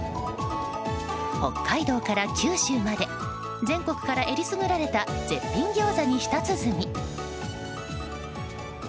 北海道から九州まで全国から選りすぐられた絶品ギョーザに舌鼓。